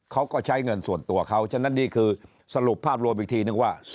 เขาก็ใช้เงินส่วนตัวเขาฉะนั้นนี่คือสรุปภาพรวมอีกทีนึงว่า